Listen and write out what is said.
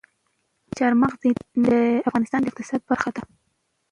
چار مغز د افغانستان د اقتصاد برخه ده.